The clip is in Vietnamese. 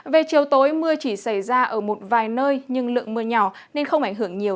về chiều tối mưa chỉ xảy ra ở một vài nơi nhưng lượng mưa nhỏ nên không ảnh hưởng nhiều